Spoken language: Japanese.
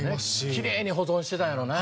きれいに保存してたんやろうね。